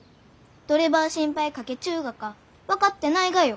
どればあ心配かけちゅうがか分かってないがよ。